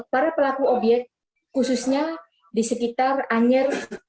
para pelaku obyek khususnya di sekitar anyer